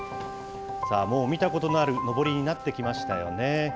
もう見たことのあるのぼりになってきましたよね。